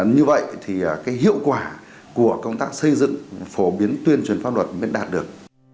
như vậy thì hiệu quả của công tác xây dựng phổ biến tuyên truyền pháp luật mới đạt được